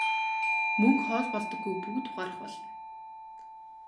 Мөнгө хоол болдоггүйг бүгд ухаарах болно.